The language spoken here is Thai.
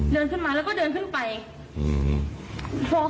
เดินขึ้นมาแล้วก็เดินขึ้นไปอืม